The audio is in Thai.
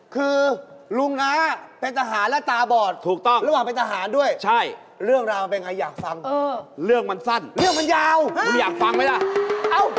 กูเผลอพูดไปได้อย่างไรน่ะเออ